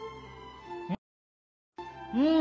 うん！